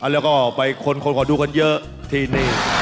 แล้วก็ไปคนขอดูกันเยอะที่นี่